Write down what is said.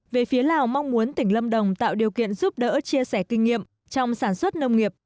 về phía lào mong muốn tỉnh lâm đồng tạo điều kiện giúp đỡ chia sẻ kinh nghiệm trong sản xuất nông nghiệp